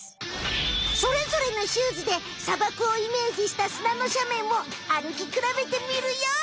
それぞれのシューズで砂漠をイメージしたすなのしゃめんをあるきくらべてみるよ。